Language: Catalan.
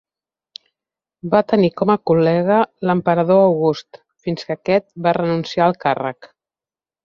Va tenir com a col·lega l'emperador August, fins que aquest va renunciar al càrrec.